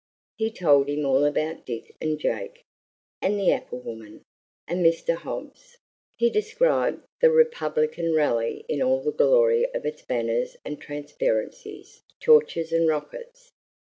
He told him all about Dick and Jake, and the apple woman, and Mr. Hobbs; he described the Republican Rally in all the glory of its banners and transparencies, torches and rockets.